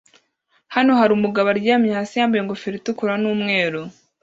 Hano hari umugabo aryamye hasi yambaye ingofero itukura n'umweru